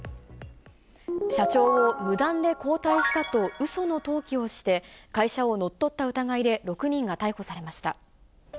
社長を無断で交代したとうその登記をして、会社を乗っ取った疑いで６人が逮捕されました。